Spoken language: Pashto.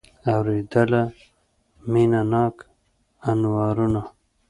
اورېدله مینه ناکه انوارونه